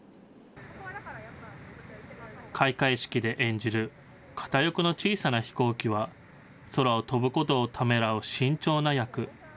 開会式で演じる片翼の小さな飛行機は、空を飛ぶことをためらう慎重な役。